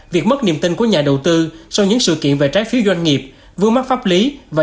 việc mất niềm tin của nhà đầu tư sau những sự kiện về trái phiếu doanh nghiệp vương mắc pháp lý và